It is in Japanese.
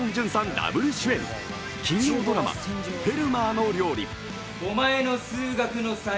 ダブル主演、金曜ドラマ「フェルマーの料理」。